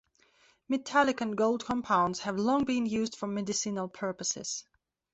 Metallic and gold compounds have long been used for medicinal purposes.